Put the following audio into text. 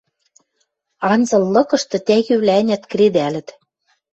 Анзыл лыкышты тӓгӱвлӓ-ӓнят кредӓлӹт.